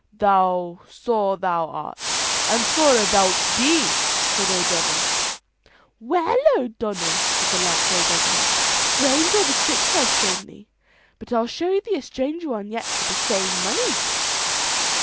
"Sore thou art; and sorer thou'lt be," said O'Donnell. "Well, O'Donnell," said the lank grey beggarman, "strange are the tricks I've shown thee, but I'll show thee a stranger one yet for the same money."